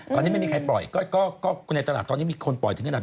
ตอนนี้ไม่มีใครปล่อยก็ในตลาดตอนนี้มีคนปล่อยถึงขนาด